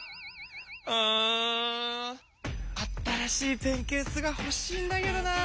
うん新しいペンケースがほしいんだけどなあ。